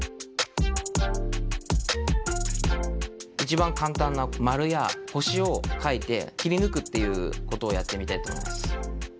一番簡単な丸や星を描いて切り抜くっていうことをやってみたいと思います。